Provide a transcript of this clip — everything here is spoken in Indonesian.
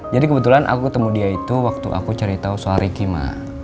jadi kebetulan aku ketemu dia itu waktu aku cerita soal rikimah